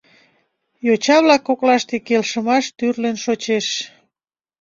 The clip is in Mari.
Йоча-влак коклаште келшымаш тӱрлын шочеш.